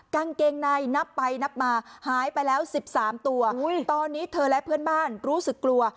กางเกงในนับไปนับมาหายไปแล้ว๑๓ตัวตอนนี้เธอและเพื่อนบ้านรู้สึกกลัว